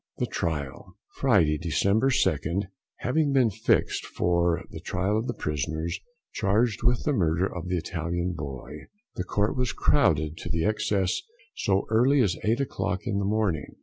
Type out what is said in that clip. THE TRIAL. Friday, December 2nd, having been fixed for the trial of the prisoners charged with the murder of the Italian boy, the Court was crowded to excess so early as eight o'clock in the morning.